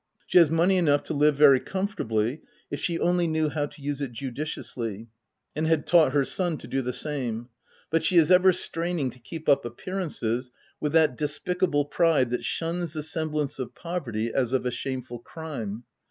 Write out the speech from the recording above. She has money enough to live very comfortably, if she only knew how to use it judiciously, and had taught her son to do the same ; but she is ever straining to keep up ap pearances, with that despicable pride that shuns the semblance of poverty as of a shameful crime.